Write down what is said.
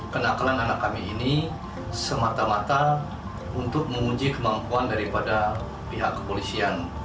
kenakalan anak kami ini semata mata untuk menguji kemampuan daripada pihak kepolisian